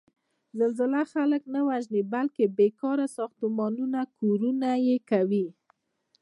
زلزله خلک نه وژني، بلکې بېکاره ساختمانونه کورنه یې کوي.